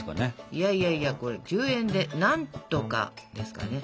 いやいやいやこれ１０円で「何とか」ですからね。